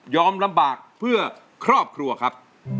ลำบากเพื่อครอบครัวครับ